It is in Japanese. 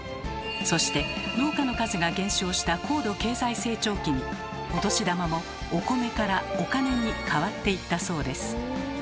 そして農家の数が減少した高度経済成長期にお年玉も「お米」から「お金」に変わっていったそうです。